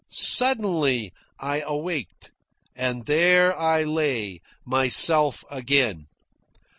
Suddenly, I awaked, and there I lay, myself again.